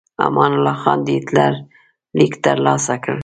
امان الله خان د هیټلر لیک ترلاسه کړ.